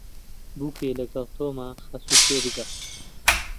بووکێ لەگەڵ تۆمە خەسوو تێبگە